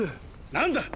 何だ！